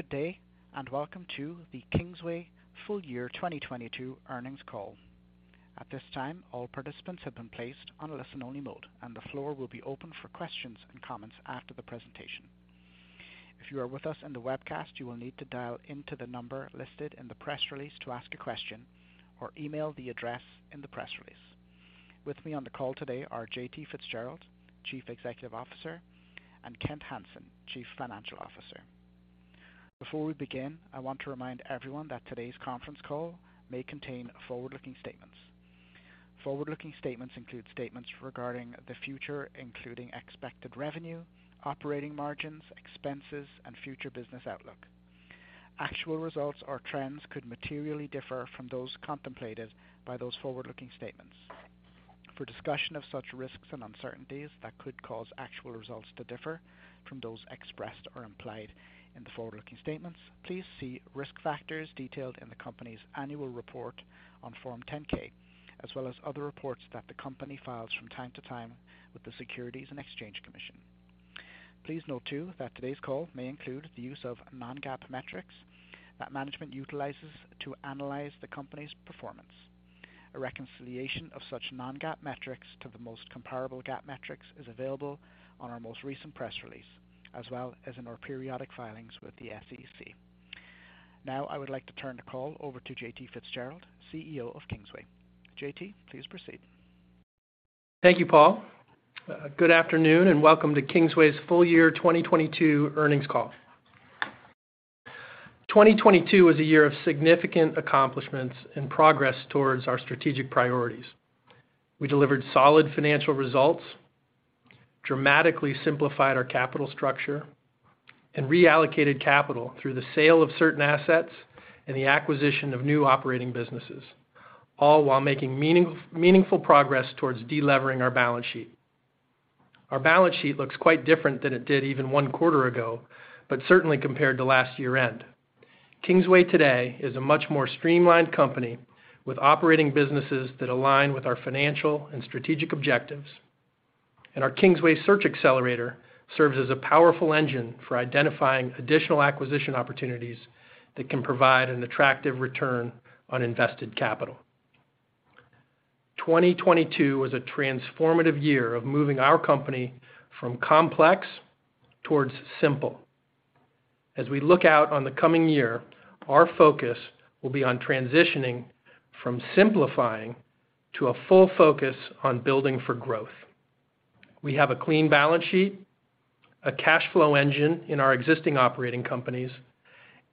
Good day, welcome to the Kingsway full year 2022 earnings call. At this time, all participants have been placed on a listen-only mode, and the floor will be open for questions and comments after the presentation. If you are with us in the webcast, you will need to dial into the number listed in the press release to ask a question or email the address in the press release. With me on the call today are J.T. Fitzgerald, Chief Executive Officer, and Kent Hansen, Chief Financial Officer. Before we begin, I want to remind everyone that today's conference call may contain forward-looking statements. Forward-looking statements include statements regarding the future, including expected revenue, operating margins, expenses, and future business outlook. Actual results or trends could materially differ from those contemplated by those forward-looking statements. For discussion of such risks and uncertainties that could cause actual results to differ from those expressed or implied in the forward-looking statements, please see risk factors detailed in the company's annual report on Form 10-K, as well as other reports that the company files from time to time with the Securities and Exchange Commission. Please note, too, that today's call may include the use of non-GAAP metrics that management utilizes to analyze the company's performance. A reconciliation of such non-GAAP metrics to the most comparable GAAP metrics is available on our most recent press release, as well as in our periodic filings with the SEC. Now, I would like to turn the call over to J.T. Fitzgerald, CEO of Kingsway. J.T., please proceed. Thank you, Paul. Good afternoon, welcome to Kingsway's full year 2022 earnings call. 2022 was a year of significant accomplishments and progress towards our strategic priorities. We delivered solid financial results, dramatically simplified our capital structure, and reallocated capital through the sale of certain assets and the acquisition of new operating businesses, all while making meaningful progress towards de-levering our balance sheet. Our balance sheet looks quite different than it did even 1 quarter ago, but certainly compared to last year-end. Kingsway today is a much more streamlined company with operating businesses that align with our financial and strategic objectives. Our Kingsway Search Xcelerator serves as a powerful engine for identifying additional acquisition opportunities that can provide an attractive return on invested capital. 2022 was a transformative year of moving our company from complex towards simple. As we look out on the coming year, our focus will be on transitioning from simplifying to a full focus on building for growth. We have a clean balance sheet, a cash flow engine in our existing operating companies,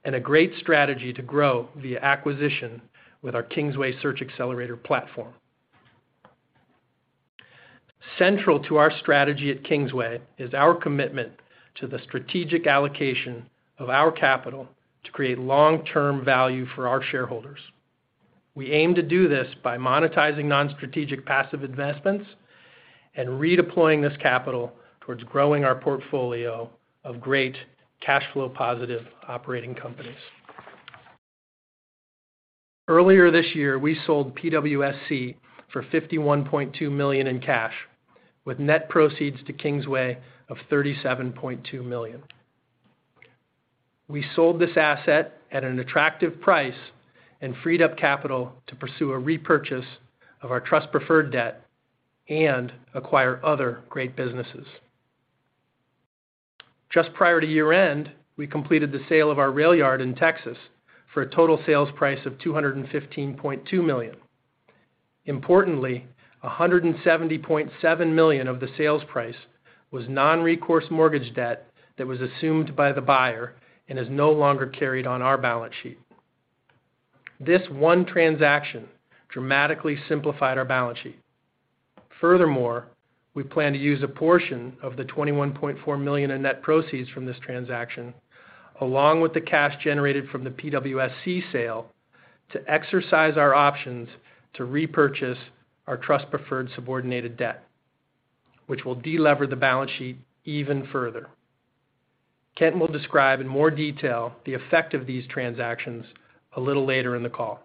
and a great strategy to grow via acquisition with our Kingsway Search Xcelerator platform. Central to our strategy at Kingsway is our commitment to the strategic allocation of our capital to create long-term value for our shareholders. We aim to do this by monetizing non-strategic passive investments and redeploying this capital towards growing our portfolio of great cash flow positive operating companies. Earlier this year, we sold PWSC for $51.2 million in cash, with net proceeds to Kingsway of $37.2 million. We sold this asset at an attractive price and freed up capital to pursue a repurchase of our trust preferred debt and acquire other great businesses. Just prior to year-end, we completed the sale of our railyard in Texas for a total sales price of $215.2 million. Importantly, $170.7 million of the sales price was non-recourse mortgage debt that was assumed by the buyer and is no longer carried on our balance sheet. This one transaction dramatically simplified our balance sheet. We plan to use a portion of the $21.4 million in net proceeds from this transaction, along with the cash generated from the PWSC sale, to exercise our options to repurchase our Trust Preferred subordinated debt, which will de-lever the balance sheet even further. Kent will describe in more detail the effect of these transactions a little later in the call.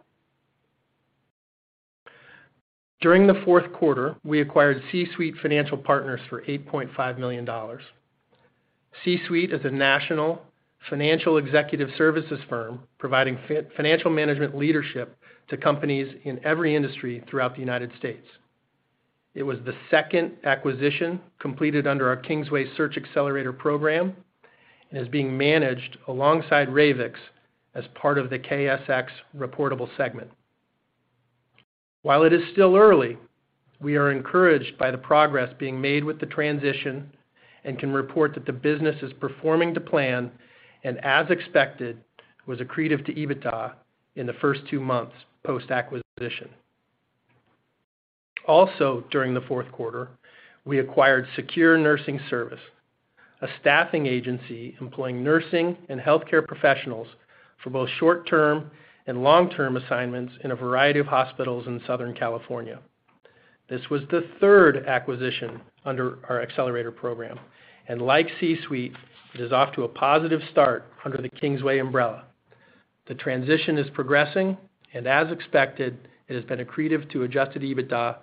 During the fourth quarter, we acquired CSuite Financial Partners for $8.5 million. CSuite is a national financial executive services firm providing financial management leadership to companies in every industry throughout the United States. It was the second acquisition completed under our Kingsway Search Xcelerator program and is being managed alongside Ravix as part of the KSX reportable segment. While it is still early, we are encouraged by the progress being made with the transition and can report that the business is performing to plan and, as expected, was accretive to EBITDA in the first two months post-acquisition. During the fourth quarter, we acquired Secure Nursing Service, a staffing agency employing nursing and healthcare professionals for both short-term and long-term assignments in a variety of hospitals in Southern California. This was the third acquisition under our accelerator program, and like CSuite, it is off to a positive start under the Kingsway umbrella. The transition is progressing and as expected, it has been accretive to adjusted EBITDA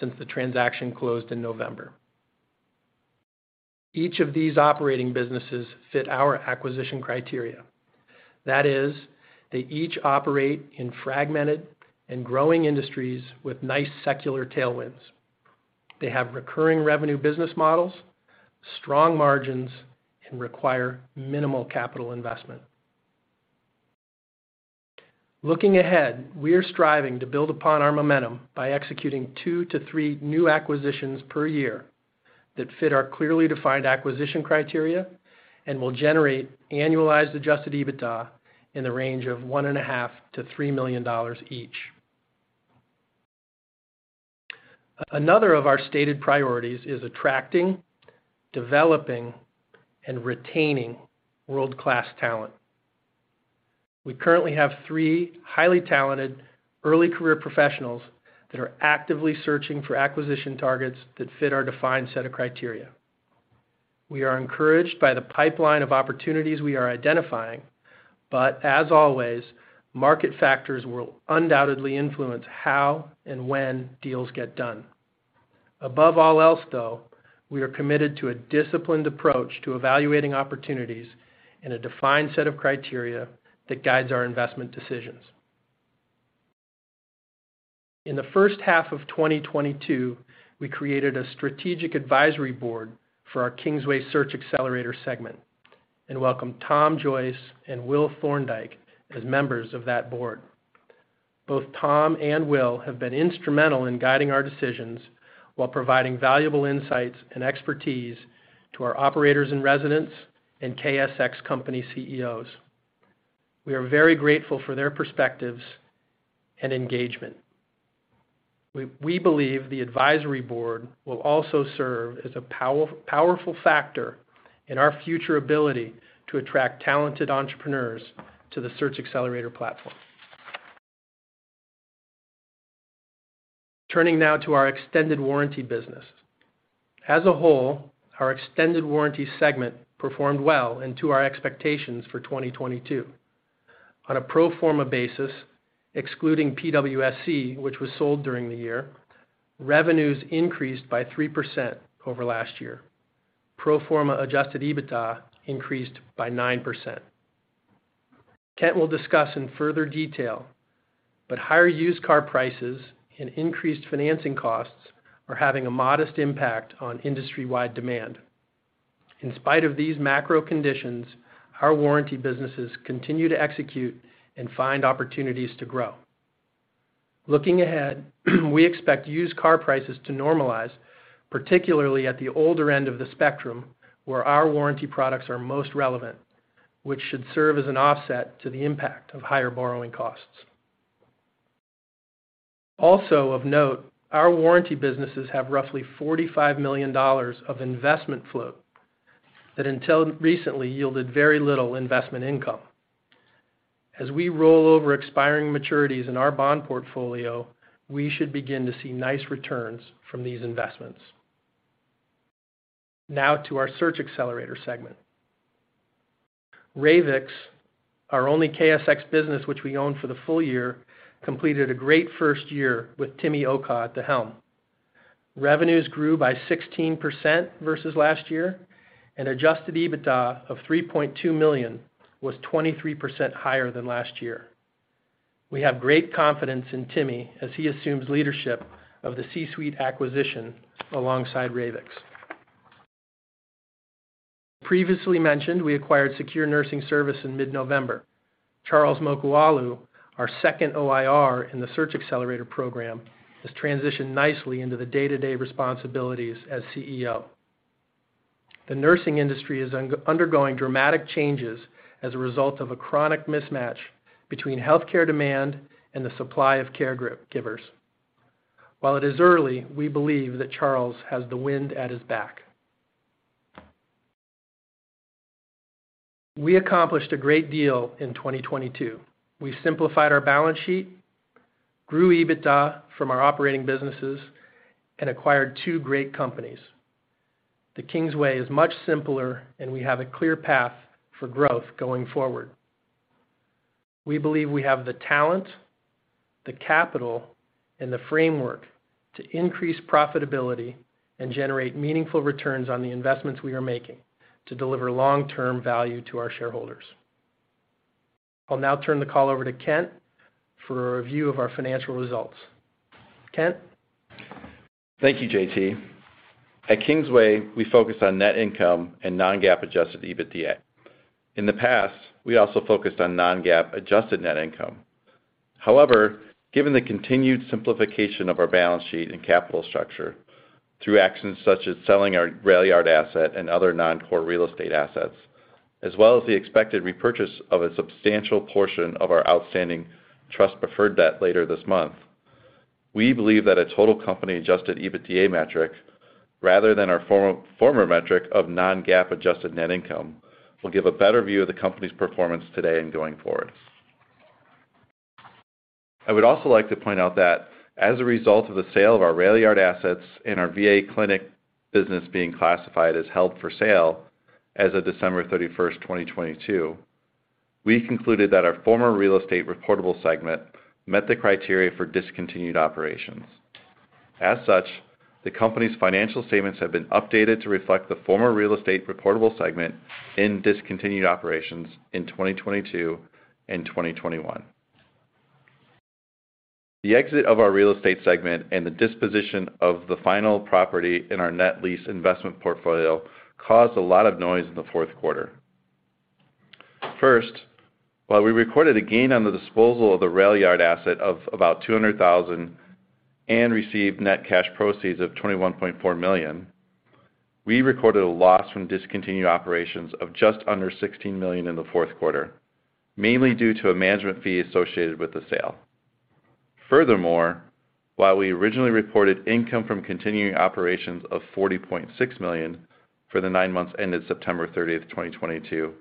since the transaction closed in November. Each of these operating businesses fit our acquisition criteria. That is, they each operate in fragmented and growing industries with nice secular tailwinds. They have recurring revenue business models, strong margins, and require minimal capital investment. Looking ahead, we are striving to build upon our momentum by executing two to three new acquisitions per year that fit our clearly defined acquisition criteria and will generate annualized adjusted EBITDA in the range of one and a half to three million dollars each. Another of our stated priorities is attracting, developing, and retaining world-class talent. We currently have three highly talented early career professionals that are actively searching for acquisition targets that fit our defined set of criteria. We are encouraged by the pipeline of opportunities we are identifying, as always, market factors will undoubtedly influence how and when deals get done. Above all else, though, we are committed to a disciplined approach to evaluating opportunities and a defined set of criteria that guides our investment decisions. In the first half of 2022, we created a strategic advisory board for our Kingsway Search Xcelerator segment and welcomed Tom Joyce and Will Thorndike as members of that board. Both Tom and Will have been instrumental in guiding our decisions while providing valuable insights and expertise to our operators and residents and KSX company CEOs. We are very grateful for their perspectives and engagement. We believe the advisory board will also serve as a powerful factor in our future ability to attract talented entrepreneurs to the Search Accelerator platform. Turning now to our extended warranty business. As a whole, our extended warranty segment performed well and to our expectations for 2022. On a pro forma basis, excluding PWSC, which was sold during the year, revenues increased by 3% over last year. Pro forma adjusted EBITDA increased by 9%. Kent will discuss in further detail, higher used car prices and increased financing costs are having a modest impact on industry-wide demand. In spite of these macro conditions, our warranty businesses continue to execute and find opportunities to grow. Looking ahead, we expect used car prices to normalize, particularly at the older end of the spectrum, where our warranty products are most relevant, which should serve as an offset to the impact of higher borrowing costs. Also of note, our warranty businesses have roughly $45 million of investment flow that until recently yielded very little investment income. As we roll over expiring maturities in our bond portfolio, we should begin to see nice returns from these investments. To our Search Xcelerator segment. Ravix, our only KSX business which we own for the full year, completed a great first year with Timi Okah at the helm. Revenues grew by 16% versus last year, and adjusted EBITDA of $3.2 million was 23% higher than last year. We have great confidence in Timi as he assumes leadership of the CSuite acquisition alongside Ravix. Previously mentioned, we acquired Secure Nursing Service in mid-November. Charles Mokuolu, our second OIR in the Search Xcelerator program, has transitioned nicely into the day-to-day responsibilities as CEO. The nursing industry is undergoing dramatic changes as a result of a chronic mismatch between healthcare demand and the supply of care grip-givers. While it is early, we believe that Charles has the wind at his back. We accomplished a great deal in 2022. We simplified our balance sheet, grew EBITDA from our operating businesses, and acquired two great companies. The Kingsway is much simpler. We have a clear path for growth going forward. We believe we have the talent, the capital, and the framework to increase profitability and generate meaningful returns on the investments we are making to deliver long-term value to our shareholders. I'll now turn the call over to Kent for a review of our financial results. Kent? Thank you, JT. At Kingsway, we focus on net income and non-GAAP adjusted EBITDA. In the past, we also focused on non-GAAP adjusted net income. However, given the continued simplification of our balance sheet and capital structure through actions such as selling our railyard asset and other non-core real estate assets, as well as the expected repurchase of a substantial portion of our outstanding Trust Preferred debt later this month, we believe that a total company adjusted EBITDA metric rather than our former metric of non-GAAP adjusted net income will give a better view of the company's performance today and going forward. I would also like to point out that as a result of the sale of our railyard assets and our VA clinic business being classified as held for sale as of December 31st, 2022. We concluded that our former real estate reportable segment met the criteria for discontinued operations. As such, the company's financial statements have been updated to reflect the former real estate reportable segment in discontinued operations in 2022 and 2021. The exit of our real estate segment and the disposition of the final property in our net lease investment portfolio caused a lot of noise in the fourth quarter. First, while we recorded a gain on the disposal of the railyard asset of about $200,000 and received net cash proceeds of $21.4 million, we recorded a loss from discontinued operations of just under $16 million in the fourth quarter, mainly due to a management fee associated with the sale. While we originally reported income from continuing operations of $40.6 million for the 9 months ended September 30th, 2022,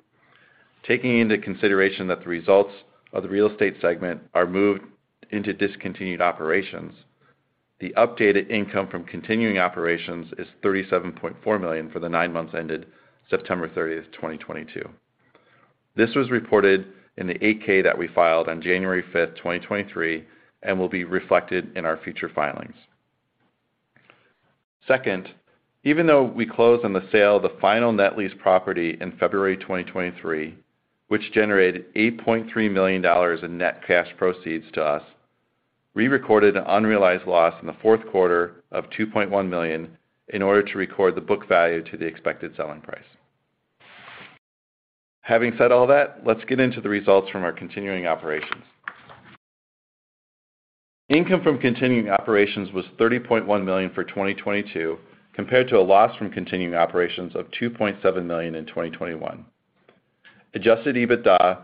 taking into consideration that the results of the real estate segment are moved into discontinued operations, the updated income from continuing operations is $37.4 million for the 9 months ended September 30th, 2022. This was reported in the 8-K that we filed on January 5th, 2023, and will be reflected in our future filings. Second, even though we closed on the sale of the final net lease property in February 2023, which generated $8.3 million in net cash proceeds to us, we recorded an unrealized loss in the fourth quarter of $2.1 million in order to record the book value to the expected selling price. Having said all that, let's get into the results from our continuing operations. Income from continuing operations was $30.1 million for 2022 compared to a loss from continuing operations of $2.7 million in 2021. Adjusted EBITDA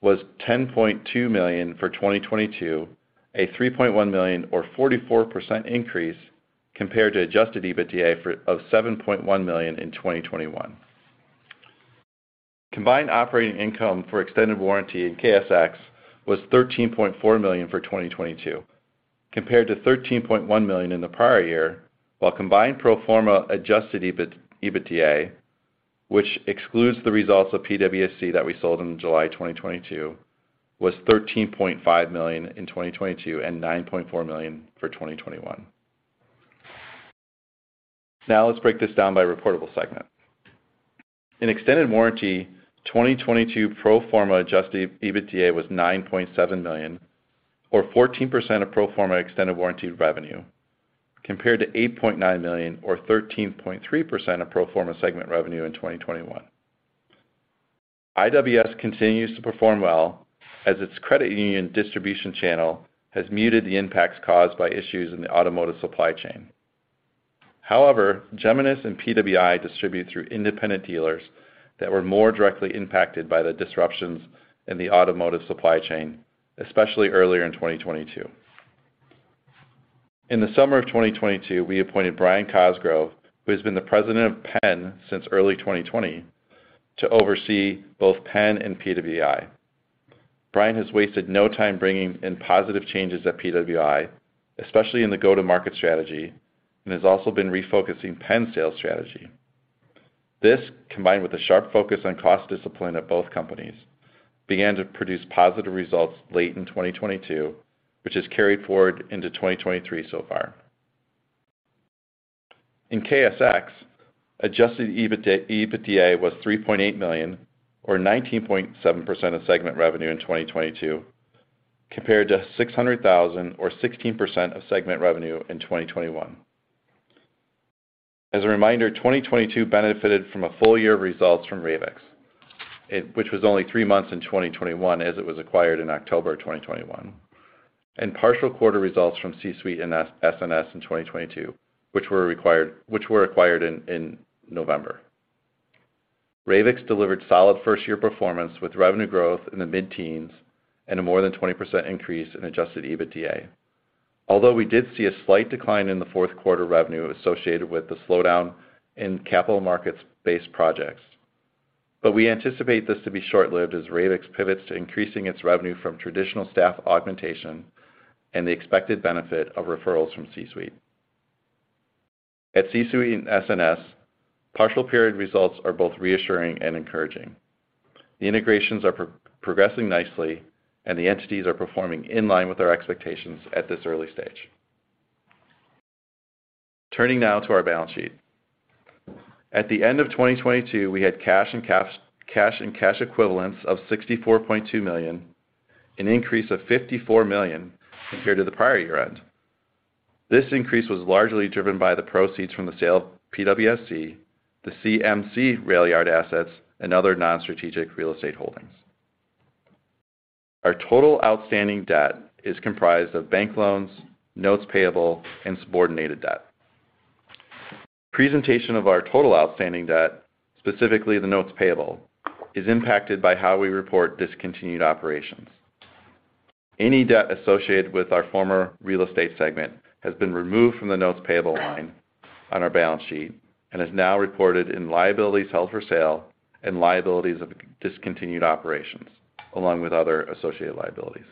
was $10.2 million for 2022, a $3.1 million or 44% increase compared to adjusted EBITDA of $7.1 million in 2021. Combined operating income for extended warranty in KSX was $13.4 million for 2022 compared to $13.1 million in the prior year. Combined pro forma adjusted EBITDA, which excludes the results of PWSC that we sold in July 2022, was $13.5 million in 2022 and $9.4 million for 2021. Let's break this down by reportable segment. In extended warranty, 2022 pro forma adjusted EBITDA was $9.7 million or 14% of pro forma extended warranty revenue, compared to $8.9 million or 13.3% of pro forma segment revenue in 2021. IWS continues to perform well as its credit union distribution channel has muted the impacts caused by issues in the automotive supply chain. Geminus and PWI distribute through independent dealers that were more directly impacted by the disruptions in the automotive supply chain, especially earlier in 2022. In the summer of 2022, we appointed Brian Cosgrove, who has been the president of Penn since early 2020, to oversee both Penn and PWI. Brian has wasted no time bringing in positive changes at PWI, especially in the go-to-market strategy, and has also been refocusing Penn sales strategy. This, combined with a sharp focus on cost discipline at both companies, began to produce positive results late in 2022, which has carried forward into 2023 so far. In KSX, adjusted EBITDA was $3.8 million or 19.7% of segment revenue in 2022 compared to $600,000 or 16% of segment revenue in 2021. As a reminder, 2022 benefited from a full year of results from Ravix, which was only three months in 2021 as it was acquired in October of 2021, and partial quarter results from CSuite and SNS in 2022, which were acquired in November. Ravix delivered solid first-year performance with revenue growth in the mid-teens and a more than 20% increase in adjusted EBITDA, although we did see a slight decline in the fourth quarter revenue associated with the slowdown in capital markets-based projects. We anticipate this to be short-lived as Ravix pivots to increasing its revenue from traditional staff augmentation and the expected benefit of referrals from CSuite. At CSuite and SNS, partial period results are both reassuring and encouraging. The integrations are progressing nicely, and the entities are performing in line with our expectations at this early stage. Turning now to our balance sheet. At the end of 2022, we had cash and cash equivalents of $64.2 million, an increase of $54 million compared to the prior year-end. This increase was largely driven by the proceeds from the sale of PWSC, the CMC Railyard assets, and other non-strategic real estate holdings. Our total outstanding debt is comprised of bank loans, notes payable, and subordinated debt. Presentation of our total outstanding debt, specifically the notes payable, is impacted by how we report discontinued operations. Any debt associated with our former real estate segment has been removed from the notes payable line on our balance sheet and is now reported in liabilities held for sale and liabilities of discontinued operations, along with other associated liabilities.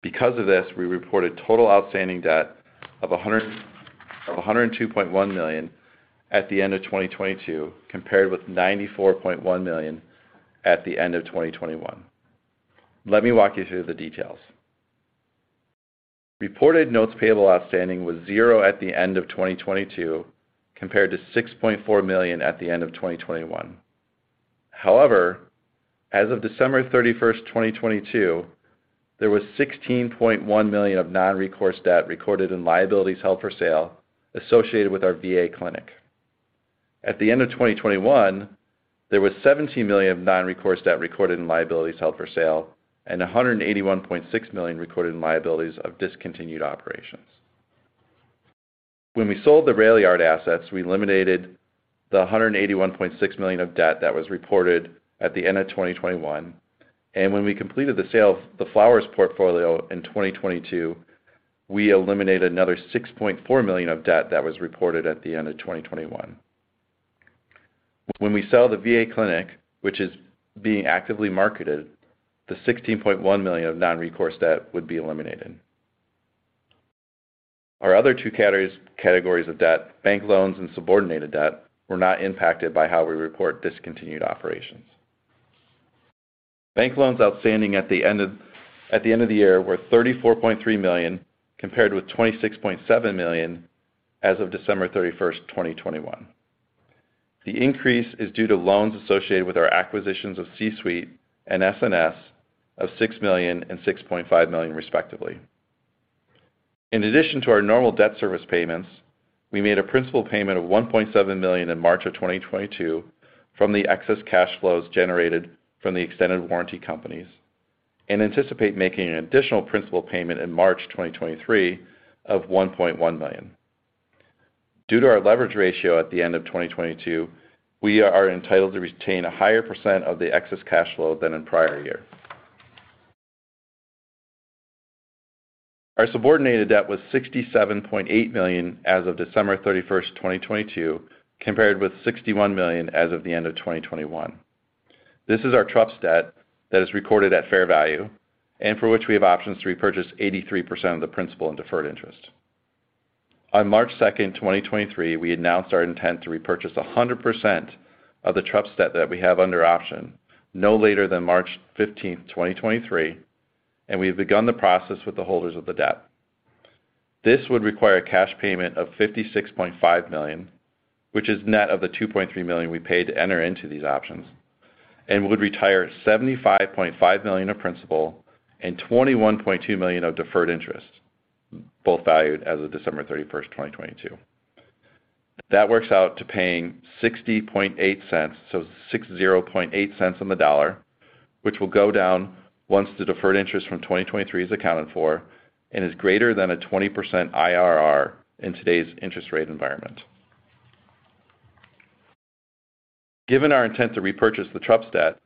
Because of this, we reported total outstanding debt of $102.1 million at the end of 2022 compared with $94.1 million at the end of 2021. Let me walk you through the details. Reported notes payable outstanding was 0 at the end of 2022 compared to $6.4 million at the end of 2021. However, as of December 31st, 2022, there was $16.1 million of non-recourse debt recorded in liabilities held for sale associated with our VA clinic. At the end of 2021, there was $17 million of non-recourse debt recorded in liabilities held for sale and $181.6 million recorded in liabilities of discontinued operations. When we sold the railyard assets, we eliminated the $181.6 million of debt that was reported at the end of 2021. When we completed the sale of the Flower Portfolio in 2022, we eliminated another $6.4 million of debt that was reported at the end of 2021. When we sell the VA clinic, which is being actively marketed, the $16.1 million of non-recourse debt would be eliminated. Our other two categories of debt, bank loans and subordinated debt, were not impacted by how we report discontinued operations. Bank loans outstanding at the end of the year were $34.3 million, compared with $26.7 million as of December 31, 2021. The increase is due to loans associated with our acquisitions of CSuite and SNS of $6 million and $6.5 million, respectively. In addition to our normal debt service payments, we made a principal payment of $1.7 million in March 2022 from the excess cash flows generated from the extended warranty companies and anticipate making an additional principal payment in March 2023 of $1.1 million. Due to our leverage ratio at the end of 2022, we are entitled to retain a higher % of the excess cash flow than in prior years. Our subordinated debt was $67.8 million as of December 31st, 2022, compared with $61 million as of the end of 2021. This is our TruPS debt that is recorded at fair value and for which we have options to repurchase 83% of the principal and deferred interest. On March 2nd, 2023, we announced our intent to repurchase 100% of the TruPS debt that we have under option no later than March 15th, 2023, and we have begun the process with the holders of the debt. This would require a cash payment of $56.5 million, which is net of the $2.3 million we paid to enter into these options and would retire $75.5 million of principal and $21.2 million of deferred interest, both valued as of December 31st, 2022. That works out to paying $0.608, so $0.608 on the dollar, which will go down once the deferred interest from 2023 is accounted for and is greater than a 20% IRR in today's interest rate environment. Given our intent to repurchase the TruPS' debt,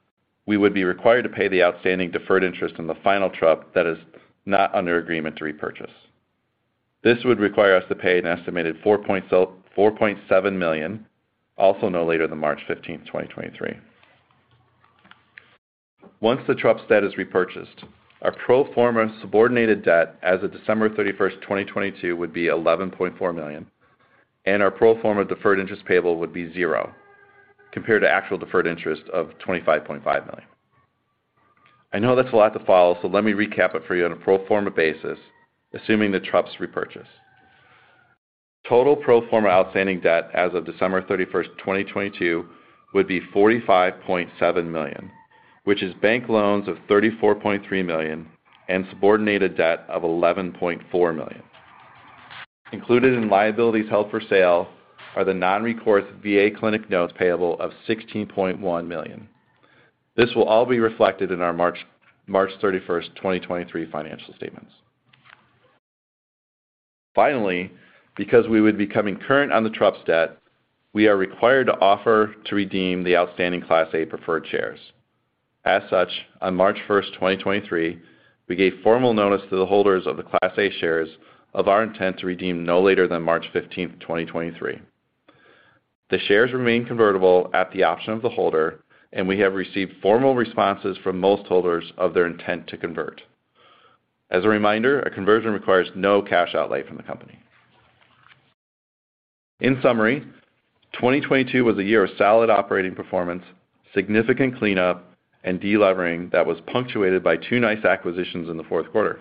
we would be required to pay the outstanding deferred interest on the final TruPS that is not under agreement to repurchase. This would require us to pay an estimated $4.7 million, also no later than March 15th, 2023. Once the TruPS' debt is repurchased, our pro forma subordinated debt as of December 31st, 2022, would be $11.4 million, and our pro forma deferred interest payable would be 0, compared to actual deferred interest of $25.5 million. I know that's a lot to follow, let me recap it for you on a pro forma basis, assuming the TruPS repurchase. Total pro forma outstanding debt as of December 31, 2022, would be $45.7 million, which is bank loans of $34.3 million and subordinated debt of $11.4 million. Included in liabilities held for sale are the non-recourse VA clinic notes payable of $16.1 million. This will all be reflected in our March 31, 2023 financial statements. Finally, because we would be coming current on the TruPS debt, we are required to offer to redeem the outstanding Class A preferred shares. As such, on March 1, 2023, we gave formal notice to the holders of the Class A shares of our intent to redeem no later than March 15, 2023. The shares remain convertible at the option of the holder, and we have received formal responses from most holders of their intent to convert. As a reminder, a conversion requires no cash outlay from the company. In summary, 2022 was a year of solid operating performance, significant cleanup, and de-levering that was punctuated by 2 nice acquisitions in the 4th quarter.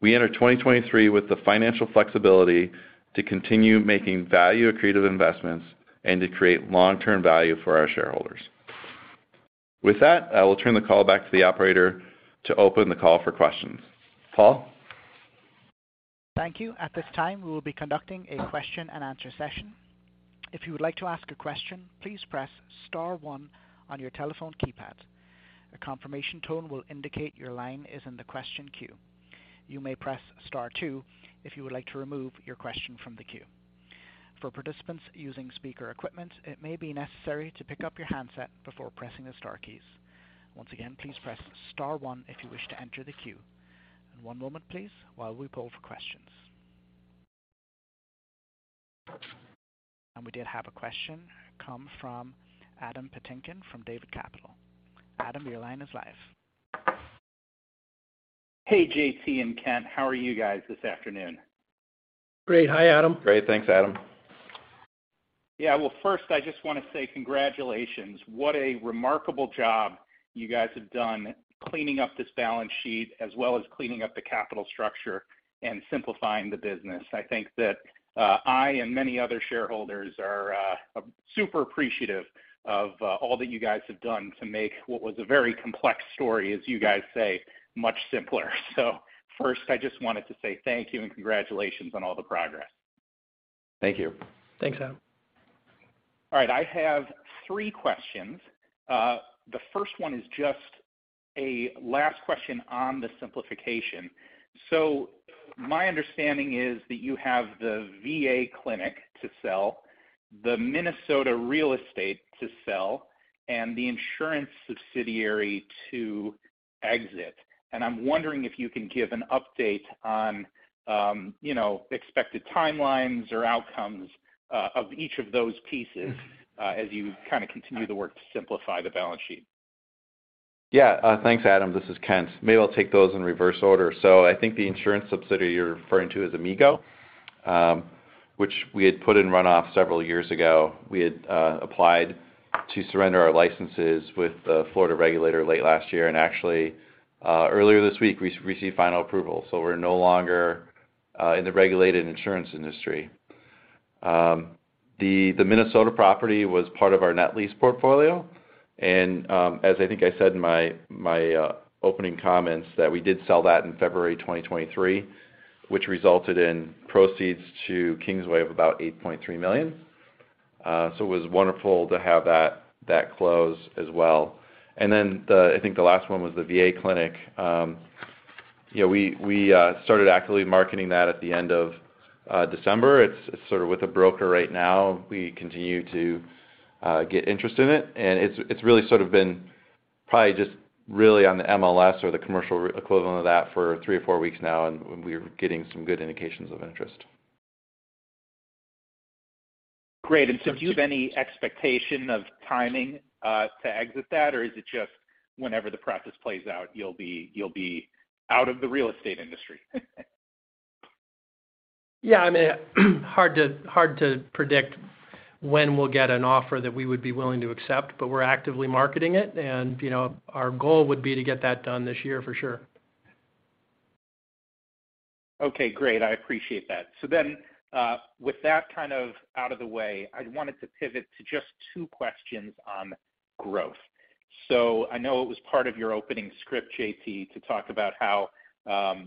We enter 2023 with the financial flexibility to continue making value-accretive investments and to create long-term value for our shareholders. With that, I will turn the call back to the operator to open the call for questions. Paul? Thank you. At this time, we will be conducting a question and answer session. If you would like to ask a question, please press star one on your telephone keypad. A confirmation tone will indicate your line is in the question queue. You may press star two if you would like to remove your question from the queue. For participants using speaker equipment, it may be necessary to pick up your handset before pressing the star keys. Once again, please press star one if you wish to enter the queue. One moment, please, while we poll for questions. We did have a question come from Adam Patinkin from David Capital. Adam, your line is live. Hey, J.T. and Kent. How are you guys this afternoon? Great. Hi, Adam. Great. Thanks, Adam. Well, first, I just wanna say congratulations. What a remarkable job you guys have done cleaning up this balance sheet as well as cleaning up the capital structure and simplifying the business. I think that I and many other shareholders are super appreciative of all that you guys have done to make what was a very complex story, as you guys say, much simpler. First, I just wanted to say thank you and congratulations on all the progress. Thank you. Thanks, Adam. All right, I have three questions. The first one is just a last question on the simplification. My understanding is that you have the VA Lafayette to sell, the Minnesota real estate to sell, and the insurance subsidiary to exit. I'm wondering if you can give an update on, you know, expected timelines or outcomes of each of those pieces as you kinda continue the work to simplify the balance sheet. Thanks, Adam. This is Kent. I think the insurance subsidiary you're referring to is Amigo, which we had put in run off several years ago. We had applied to surrender our licenses with the Florida regulator late last year. Actually, earlier this week, we received final approval, so we're no longer in the regulated insurance industry. The, the Minnesota property was part of our net lease portfolio. As I think I said in my opening comments that we did sell that in February 2023, which resulted in proceeds to Kingsway of about $8.3 million. So it was wonderful to have that close as well. Then I think the last one was the VA Lafayette. You know, we started actively marketing that at the end of December. It's sort of with a broker right now. We continue to get interest in it. It's really sort of been probably just really on the MLS or the commercial equivalent of that for three or four weeks now. We're getting some good indications of interest. Great. Do you have any expectation of timing to exit that, or is it just whenever the process plays out, you'll be out of the real estate industry? Yeah. I mean, hard to predict when we'll get an offer that we would be willing to accept, but we're actively marketing it. You know, our goal would be to get that done this year for sure. Okay, great. I appreciate that. With that kind of out of the way, I wanted to pivot to just 2 questions on growth. I know it was part of your opening script, J.T., to talk about how,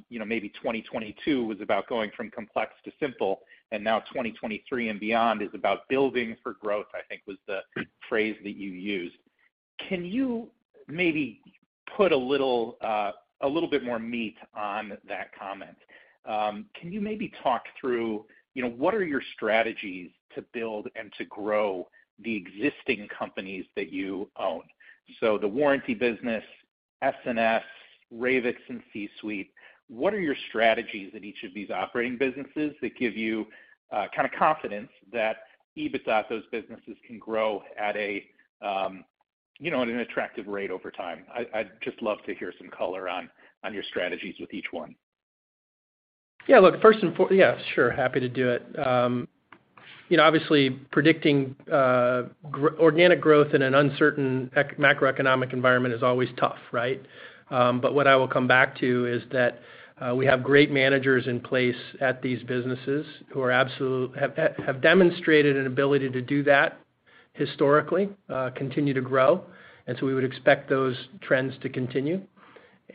you know, maybe 2022 was about going from complex to simple, and now 2023 and beyond is about building for growth, I think was the phrase that you used. Can you maybe put a little, a little bit more meat on that comment? Can you maybe talk through, you know, what are your strategies to build and to grow the existing companies that you own? The warranty business, SNS, Ravix, and CSuite, what are your strategies at each of these operating businesses that give you, kinda confidence that EBITDA, those businesses can grow at a, you know, at an attractive rate over time? I'd just love to hear some color on your strategies with each one. Yeah. Look, first and fore-- Yeah, sure. Happy to do it. You know, obviously predicting organic growth in an uncertain macroeconomic environment is always tough, right? But what I will come back to is that we have great managers in place at these businesses who have demonstrated an ability to do that historically, continue to grow. We would expect those trends to continue.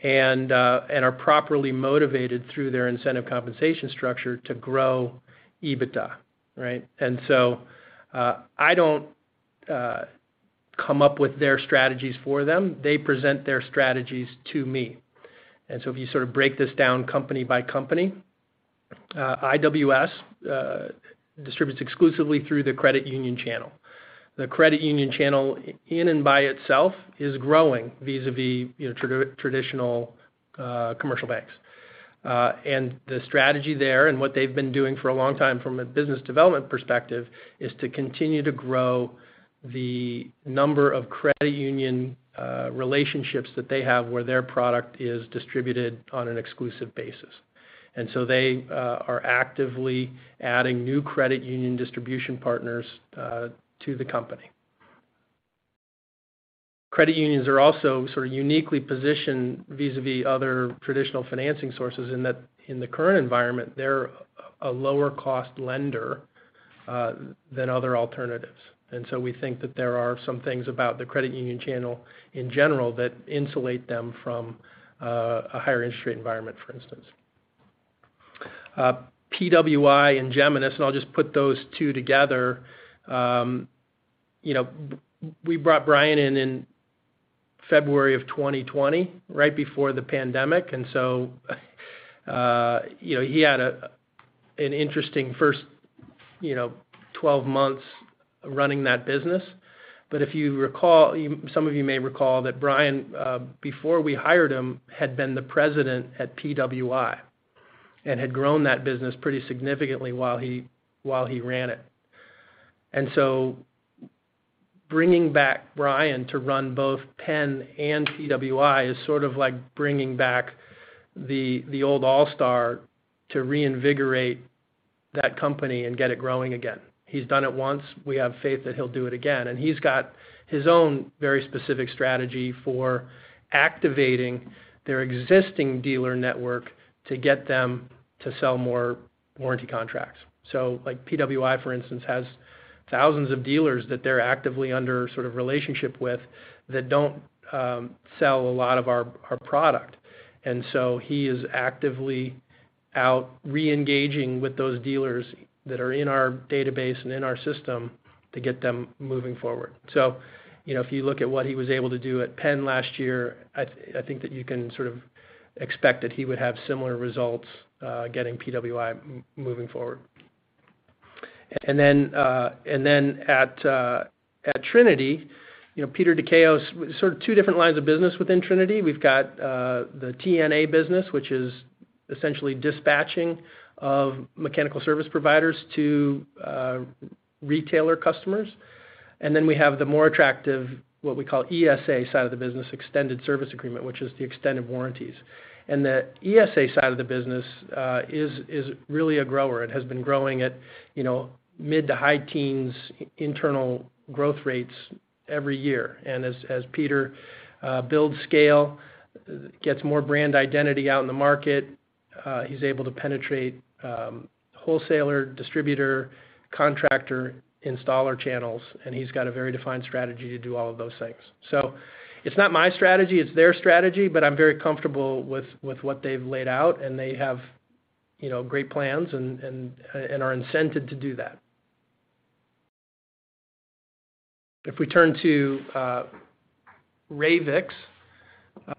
Are properly motivated through their incentive compensation structure to grow EBITDA, right? I don't come up with their strategies for them. They present their strategies to me. If you sort of break this down company by company, IWS distributes exclusively through the credit union channel. The credit union channel in and by itself is growing vis-à-vis, you know, traditional commercial banks. The strategy there and what they've been doing for a long time from a business development perspective is to continue to grow the number of credit union relationships that they have where their product is distributed on an exclusive basis. They are actively adding new credit union distribution partners to the company. Credit unions are also sort of uniquely positioned vis-à-vis other traditional financing sources in that in the current environment, they're a lower cost lender than other alternatives. We think that there are some things about the credit union channel in general that insulate them from a higher interest rate environment, for instance. PWI and Geminus, and I'll just put those two together. You know, we brought Brian in in February of 2020, right before the pandemic. You know, he had an interesting first, you know, 12 months running that business. If you recall, some of you may recall that Brian, before we hired him, had been the president at PWI. Had grown that business pretty significantly while he ran it. Bringing back Brian to run both Penn and PWI is sort of like bringing back the old all-star to reinvigorate that company and get it growing again. He's done it once. We have faith that he'll do it again. He's got his own very specific strategy for activating their existing dealer network to get them to sell more warranty contracts. Like PWI, for instance, has thousands of dealers that they're actively under sort of relationship with that don't sell a lot of our product. He is actively out re-engaging with those dealers that are in our database and in our system to get them moving forward. You know, if you look at what he was able to do at Penn last year, I think that you can sort of expect that he would have similar results, getting PWI moving forward. Then at Trinity, you know, Peter Dikeos, sort of two different lines of business within Trinity. We've got the IWS business, which is essentially dispatching of mechanical service providers to retailer customers. We have the more attractive, what we call ESA side of the business, extended service agreement, which is the extended warranties. The ESA side of the business is really a grower. It has been growing at, you know, mid to high teens internal growth rates every year. As Peter builds scale, gets more brand identity out in the market, he's able to penetrate wholesaler, distributor, contractor, installer channels, and he's got a very defined strategy to do all of those things. It's not my strategy, it's their strategy, but I'm very comfortable with what they've laid out, and they have, you know, great plans and are incented to do that. If we turn to Ravix,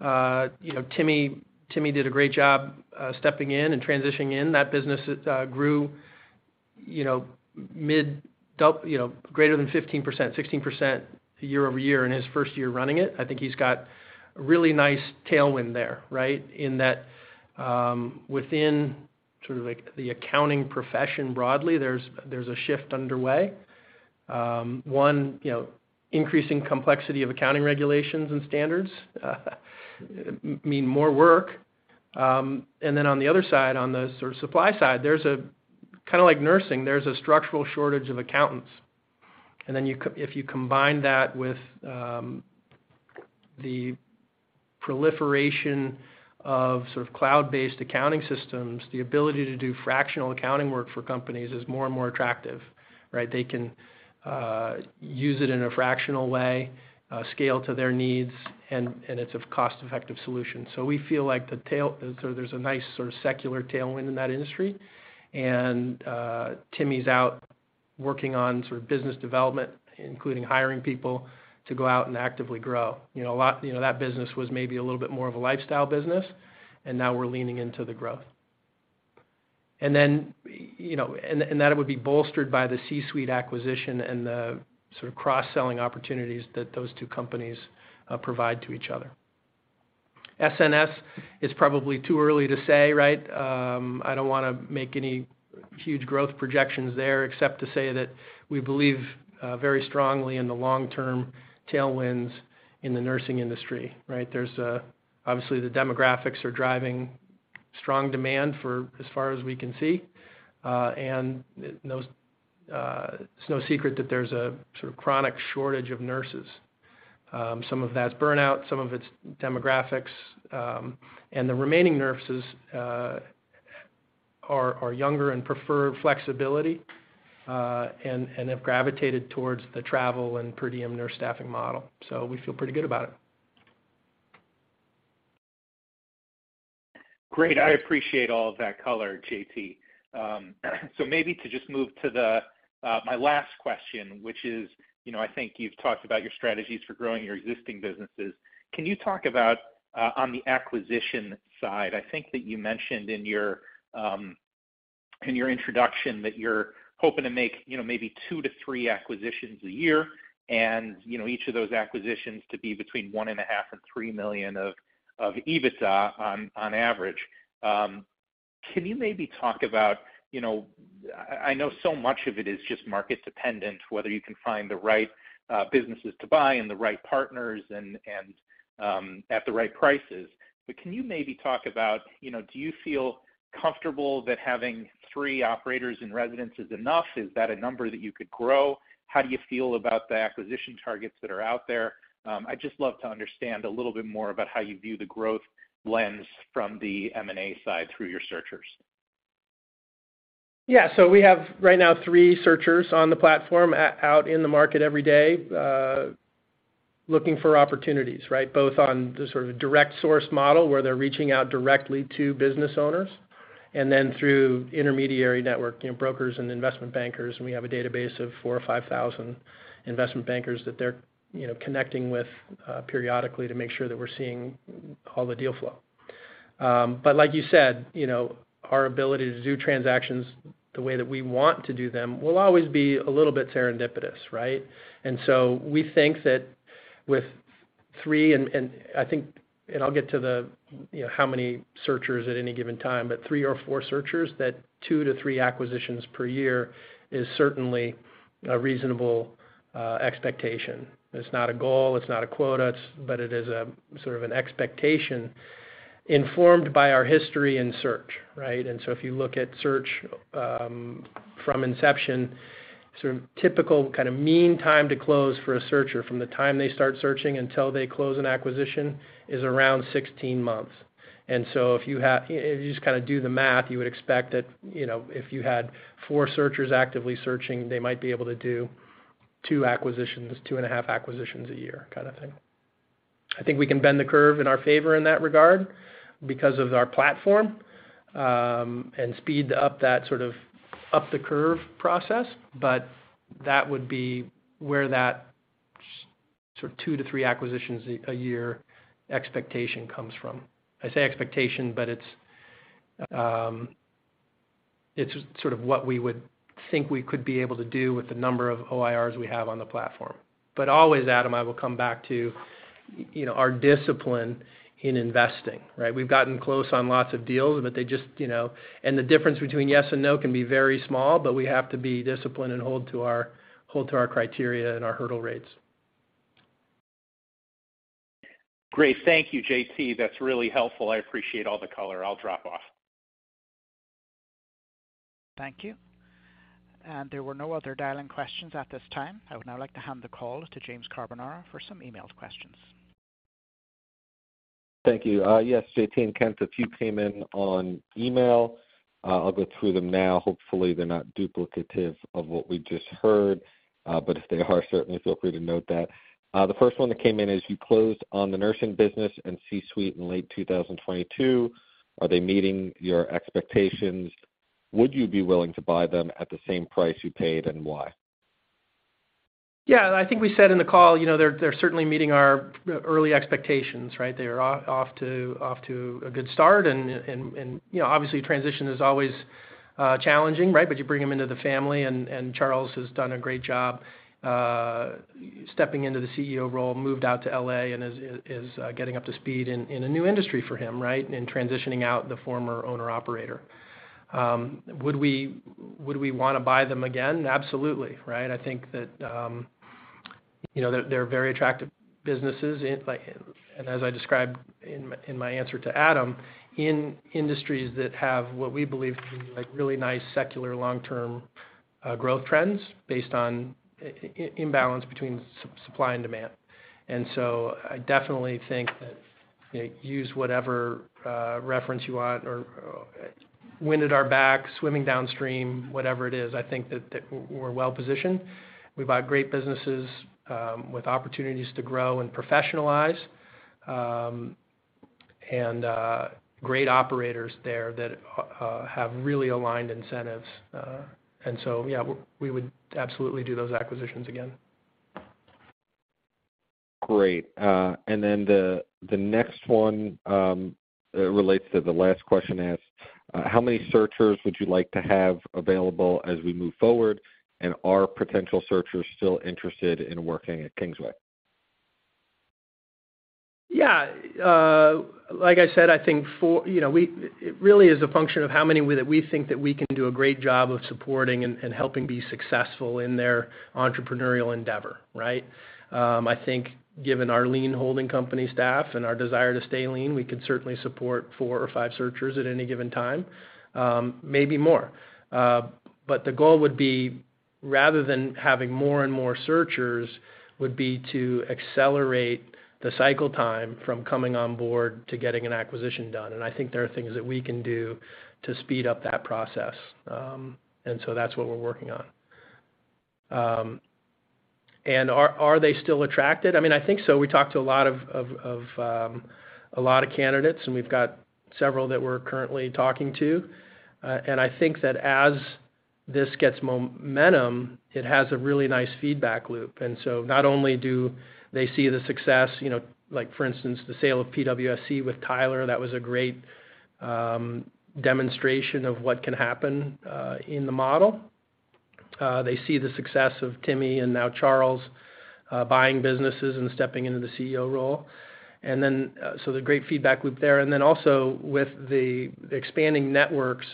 you know, Timi did a great job stepping in and transitioning in. That business, you know, grew, you know, greater than 15%, 16% year over year in his first year running it. I think he's got a really nice tailwind there, right? In that, within the accounting profession broadly, there's a shift underway. One, you know, increasing complexity of accounting regulations and standards mean more work. On the other side, on the supply side, Kind of like nursing, there's a structural shortage of accountants. If you combine that with the proliferation of cloud-based accounting systems, the ability to do fractional accounting work for companies is more and more attractive, right? They can use it in a fractional way, scale to their needs, and it's a cost-effective solution. We feel like the tail... There's a nice sort of secular tailwind in that industry. Timi's out working on sort of business development, including hiring people to go out and actively grow. You know, that business was maybe a little bit more of a lifestyle business, and now we're leaning into the growth. You know, and that it would be bolstered by the CSuite acquisition and the sort of cross-selling opportunities that those two companies provide to each other. SNS is probably too early to say, right? I don't wanna make any huge growth projections there except to say that we believe very strongly in the long-term tailwinds in the nursing industry, right? There's. Obviously, the demographics are driving strong demand for as far as we can see. And those... It's no secret that there's a sort of chronic shortage of nurses. Some of that's burnout, some of it's demographics. The remaining nurses are younger and prefer flexibility and have gravitated towards the travel and per diem nurse staffing model. We feel pretty good about it. Great. I appreciate all of that color, J.T. Maybe to just move to my last question, which is, you know, I think you've talked about your strategies for growing your existing businesses. Can you talk about on the acquisition side? I think that you mentioned in your introduction that you're hoping to make, you know, maybe 2-3 acquisitions a year, and, you know, each of those acquisitions to be between 1.5 and $3 million of EBITDA on average. Can you maybe talk about, you know, I know so much of it is just market dependent, whether you can find the right businesses to buy and the right partners and at the right prices. Can you maybe talk about, you know, do you feel comfortable that having three Operators-in-Residence is enough? Is that a number that you could grow? How do you feel about the acquisition targets that are out there? I'd just love to understand a little bit more about how you view the growth lens from the M&A side through your searchers. Yeah. We have right now 3 searchers on the platform out in the market every day, looking for opportunities, right? Both on the sort of direct source model, where they're reaching out directly to business owners, and then through intermediary network, you know, brokers and investment bankers. We have a database of 4 or 5,000 investment bankers that they're, you know, connecting with periodically to make sure that we're seeing all the deal flow. Like you said, you know, our ability to do transactions the way that we want to do them will always be a little bit serendipitous, right? We think that with 3, and I'll get to the, you know, how many searchers at any given time, 3 or 4 searchers, that 2 to 3 acquisitions per year is certainly a reasonable expectation. It's not a goal, it's not a quota, it's, but it is a sort of an expectation informed by our history in search, right? So if you look at search from inception, sort of typical kind of mean time to close for a searcher from the time they start searching until they close an acquisition is around 16 months. So if you just kinda do the math, you would expect that, you know, if you had four searchers actively searching, they might be able to do two acquisitions, two and a half acquisitions a year kind of thing. I think we can bend the curve in our favor in that regard because of our platform and speed up that sort of up-the-curve process. That would be where that sort of two to three acquisitions a year expectation comes from. I say expectation, but it's sort of what we would think we could be able to do with the number of OIRs we have on the platform. Always, Adam, I will come back to, you know, our discipline in investing, right? We've gotten close on lots of deals, but they just, you know. The difference between yes and no can be very small, but we have to be disciplined and hold to our criteria and our hurdle rates. Great. Thank you, JT. That's really helpful. I appreciate all the color. I'll drop off. Thank you. There were no other dial-in questions at this time. I would now like to hand the call to James Carbonara for some emailed questions. Thank you. Yes, J.T. and Kent, a few came in on email. I'll go through them now. Hopefully, they're not duplicative of what we just heard. If they are, certainly feel free to note that. The first one that came in is: You closed on the nursing business and CSuite in late 2022. Are they meeting your expectations? Would you be willing to buy them at the same price you paid, and why? Yeah. I think we said in the call, you know, they're certainly meeting our early expectations, right? They're off to a good start. You know, obviously transition is always challenging, right? You bring them into the family and Charles has done a great job stepping into the CEO role, moved out to L.A. and is getting up to speed in a new industry for him, right? In transitioning out the former owner/operator. Would we wanna buy them again? Absolutely, right? I think that, you know, they're very attractive businesses in And as I described in my answer to Adam, in industries that have what we believe to be like really nice secular long-term growth trends based on imbalance between supply and demand. I definitely think that, you know, use whatever reference you want or wind at our back, swimming downstream, whatever it is. I think that, we're well-positioned. We buy great businesses, with opportunities to grow and professionalize, and great operators there that have really aligned incentives. Yeah, we would absolutely do those acquisitions again. Great. The next one relates to the last question asked. How many searchers would you like to have available as we move forward? Are potential searchers still interested in working at Kingsway? Yeah. Like I said, I think for, you know, it really is a function of how many that we think that we can do a great job of supporting and helping be successful in their entrepreneurial endeavor, right? I think given our lean holding company staff and our desire to stay lean, we could certainly support 4 or 5 searchers at any given time, maybe more. The goal would be rather than having more and more searchers, would be to accelerate the cycle time from coming on board to getting an acquisition done. I think there are things that we can do to speed up that process. That's what we're working on. Are they still attracted? I mean, I think so. We talked to a lot of candidates, and we've got several that we're currently talking to. I think that as this gets momentum, it has a really nice feedback loop. Not only do they see the success, you know, like for instance, the sale of PWSC with Tyler, that was a great demonstration of what can happen in the model. They see the success of Timmy and now Charles buying businesses and stepping into the CEO role. So the great feedback loop there. Also with the expanding networks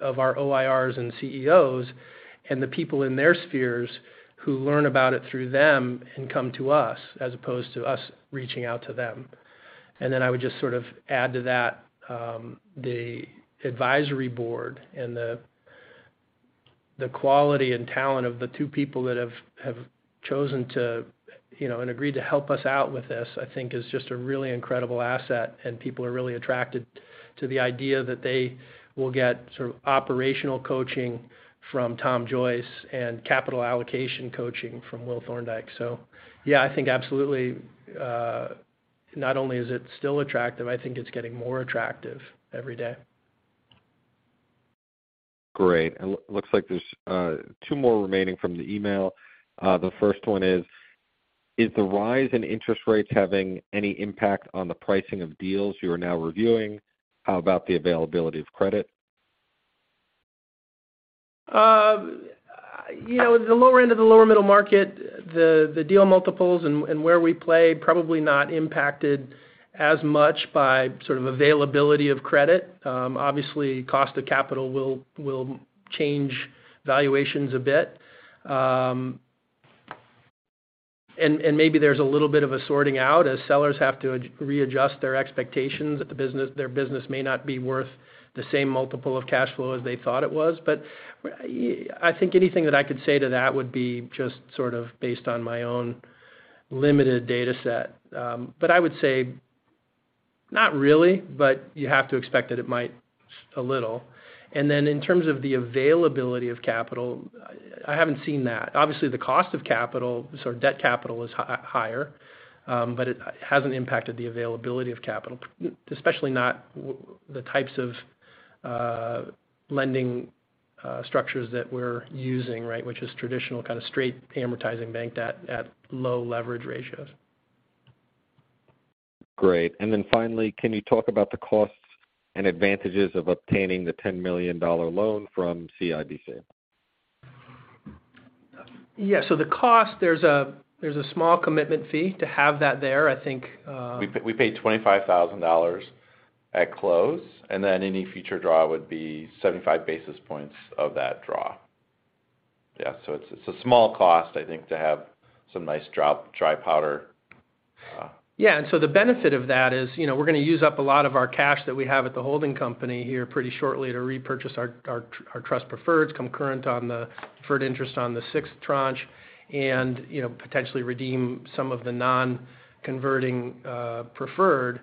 of our OIRs and CEOs and the people in their spheres who learn about it through them and come to us as opposed to us reaching out to them. I would just sort of add to that, the advisory board and the quality and talent of the two people that have chosen to, you know, and agreed to help us out with this, I think is just a really incredible asset, and people are really attracted to the idea that they will get sort of operational coaching from Tom Joyce and capital allocation coaching from Will Thorndike. Yeah, I think absolutely, not only is it still attractive, I think it's getting more attractive every day. Great. Looks like there's two more remaining from the email. The first one is: Is the rise in interest rates having any impact on the pricing of deals you are now reviewing? How about the availability of credit? You know, the lower end of the lower middle market, the deal multiples and where we play, probably not impacted as much by sort of availability of credit. Obviously, cost of capital will change valuations a bit. Maybe there's a little bit of a sorting out as sellers have to readjust their expectations that their business may not be worth the same multiple of cash flow as they thought it was. I think anything that I could say to that would be just sort of based on my own limited data set. I would say not really, but you have to expect that it might a little. In terms of the availability of capital, I haven't seen that. Obviously, the cost of capital, debt capital is higher, it hasn't impacted the availability of capital, especially not the types of lending structures that we're using, right? Which is traditional, kind of straight amortizing bank debt at low leverage ratios. Great. Finally, can you talk about the costs and advantages of obtaining the $10 million loan from CIBC? Yeah. The cost, there's a, there's a small commitment fee to have that there. I think. We paid $25,000 at close. Any future draw would be 75 basis points of that draw. It's a small cost, I think, to have some nice dry powder. Yeah. The benefit of that is, you know, we're gonna use up a lot of our cash that we have at the holding company here pretty shortly to repurchase our Trust Preferreds concurrent on the preferred interest on the sixth tranche and, you know, potentially redeem some of the non-converting Preferred.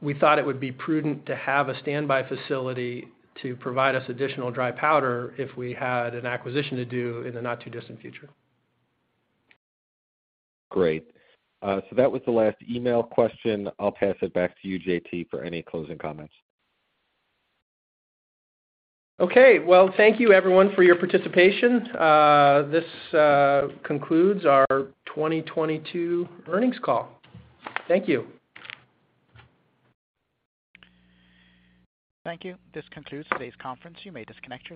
We thought it would be prudent to have a standby facility to provide us additional dry powder if we had an acquisition to do in the not too distant future. Great. That was the last email question. I'll pass it back to you, J.T., for any closing comments. Okay. Well, thank you everyone for your participation. This, concludes our 2022 earnings call. Thank you. Thank you. This concludes today's conference. You may disconnect your line.